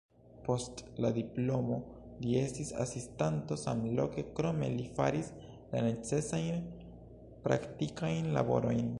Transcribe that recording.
Post la diplomo li estis asistanto samloke, krome li faris la necesajn praktikajn laborojn.